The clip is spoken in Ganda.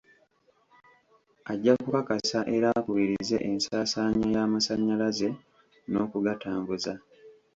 Ajja kukakasa era akubirize ensaasaanya y'amasanyalaze n'okugatambuza.